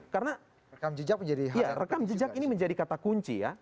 karena rekam jejak ini menjadi kata kunci ya